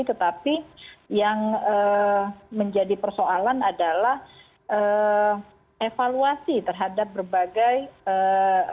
tetapi yang menjadi persoalan adalah evaluasi terhadap berbagai ee